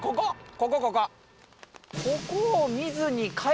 ここここ！